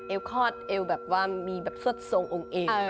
เอวคอดเอวแบบว่ามีแบบซัวซุงองค์เอว